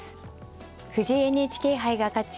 藤井ＮＨＫ杯が勝ち